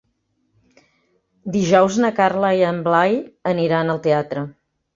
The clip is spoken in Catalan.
Dijous na Carla i en Blai aniran al teatre.